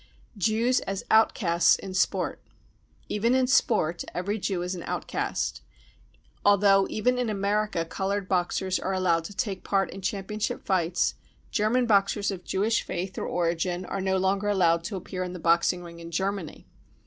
Jews as " Outcasts " in Sport. Even in sport|every Jew is an <£ outcast." Although even in America coloured boxers are allowed to take part in championship fights, German boxers of Jewish faith or origin are no longer allowed to appear in the boxing ring in Germany.